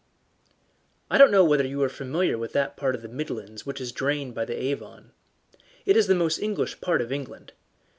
I don't know whether you are familiar with that part of the Midlands which is drained by the Avon. It is the most English part of England.